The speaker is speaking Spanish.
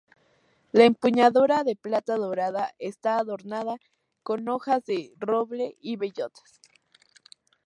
La empuñadura de plata dorada está adornada con hojas de roble y bellotas.